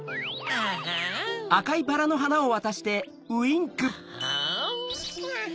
アハン。